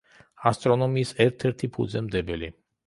ასტრონომიის ერთ-ერთი ფუძემდებელი.